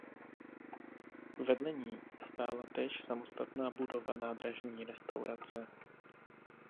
Vedle ní stála též samostatná budova nádražní restaurace.